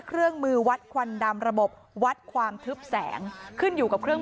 เครื่องมือวัดควันดำระบบวัดความทึบแสงขึ้นอยู่กับเครื่อง